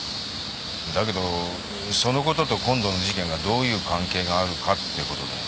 だけどそのことと今度の事件がどういう関係があるかってことだよ。